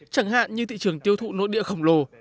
chẳng hạn như thị trường tiêu thụ nội địa khổng lồ